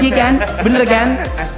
iya kan bener kan